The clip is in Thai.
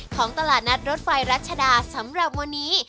ของตลาดนัดรถไฟรัชดาสำหรับวันนี้